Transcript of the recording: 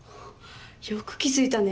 よく気付いたね。